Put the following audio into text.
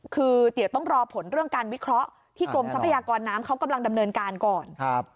คือเดี๋ยวต้องรอผลเรื่องการวิเคราะห์ที่กรมทรัพยากรน้ำเขากำลังดำเนินการก่อน